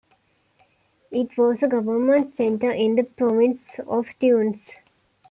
It was a government centre in the Province of Tunis.